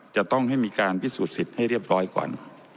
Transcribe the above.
จะต้องให้มีการพิสูจนสิทธิ์ให้เรียบร้อยก่อน